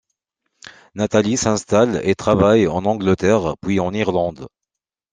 Nathalie s'installe et travaille en Angleterre puis en Irlande.